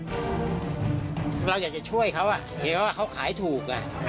เราอยากจะช่วยเขาเห็นว่าเขาขายถูก